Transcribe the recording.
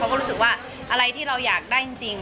ก็รู้สึกว่าอะไรที่เราอยากได้จริง